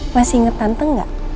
masih inget tante enggak